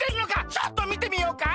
ちょっとみてみようか。